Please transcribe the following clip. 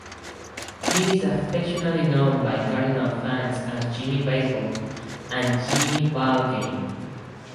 He is affectionately known by Cardinal fans as "Jimmy Baseball" and "Jimmy Ballgame".